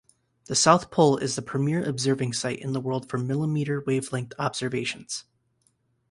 The South Pole is the premier observing site in the world for millimeter-wavelength observations.